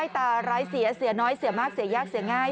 ตาร้ายเสียเสียน้อยเสียมากเสียยากเสียง่าย